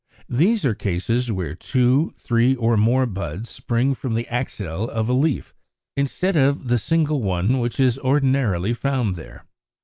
= There are cases where two, three, or more buds spring from the axil of a leaf, instead of the single one which is ordinarily found there.